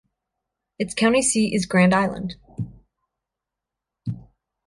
Its county seat is Grand Island.